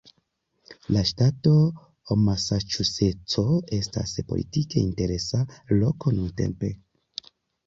La ŝtato Masaĉuseco estas politike interesa loko nuntempe.